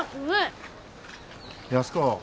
安子。